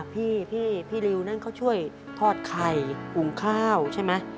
พี่พี่ริวนั้นเขาช่วยทอดไข่ปรุงข้าวใช่ไหม